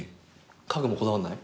家具もこだわんない？